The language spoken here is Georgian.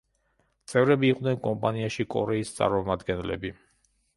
წევრები იყვნენ კომპანიაში კორეის წარმომადგენლები.